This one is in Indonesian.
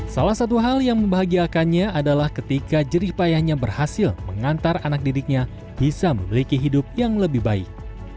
salah satu hal yang membahagiakannya adalah ketika jerih payahnya berhasil mengantar anak didiknya bisa memiliki hidup yang lebih baik